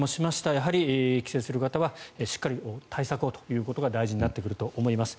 やはり帰省する方はしっかり対策をということが大事になってくると思います。